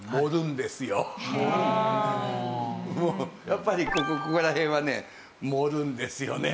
やっぱりここら辺はね盛るんですよね